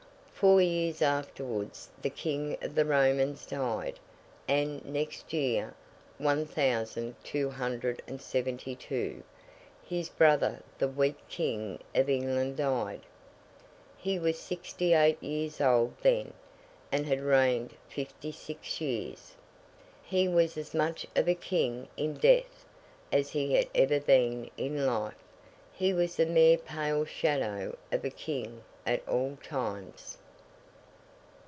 Four years afterwards the King of the Romans died, and, next year (one thousand two hundred and seventy two), his brother the weak King of England died. He was sixty eight years old then, and had reigned fifty six years. He was as much of a King in death, as he had ever been in life. He was the mere pale shadow of a King at all times.